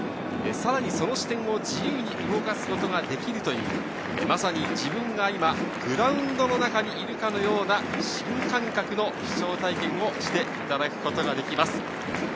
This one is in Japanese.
さらにその視点を自由に動かすことができるという、まさに自分が今、グラウンドの中にいるかのような新感覚の視聴体験をしていただくことができます。